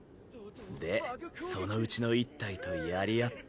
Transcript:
でそのうちの１体とやり合って。